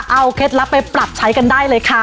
เอาเคล็ดลับไปปรับใช้กันได้เลยค่ะ